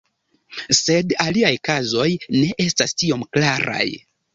Sed aliaj kazoj ne estas tiom klaraj.